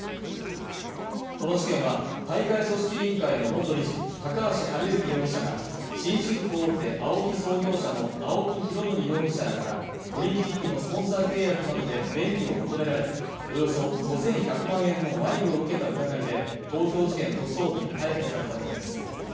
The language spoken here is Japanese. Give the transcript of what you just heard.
この事件は大会組織委員会の元理事、高橋治之容疑者が紳士服大手、ＡＯＫＩ創業者の青木拡憲容疑者らから、オリンピックのスポンサー契約などで便宜を求められ、およそ５１００万円の賄賂を受けた疑いで東京地検特捜部に逮捕されたものです。